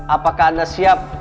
apakah anda siap